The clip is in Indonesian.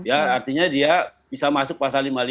artinya dia bisa masuk pasal lima puluh lima atau lima puluh enam